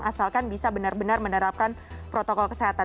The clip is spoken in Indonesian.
asalkan bisa benar benar menerapkan protokol kesehatan